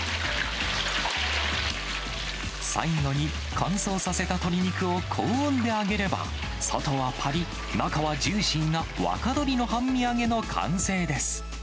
最後に乾燥させた鶏肉を高温で揚げれば、外はぱりっ、中はジューシーな若鳥の半身揚げの完成です。